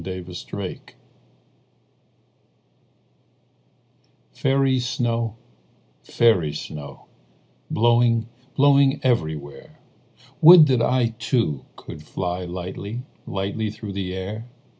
Snow Song FAIRY snow, fairy snow, Blowing, blowing everywhere, Would that I Too, could fly Lightly, lightly through the air.